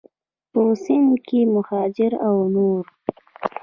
په سند کې مهاجر او نور